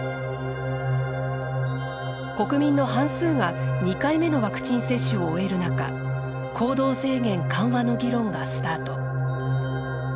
国民の半数が２回目のワクチン接種を終える中行動制限緩和の議論がスタート。